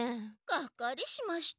がっかりしました。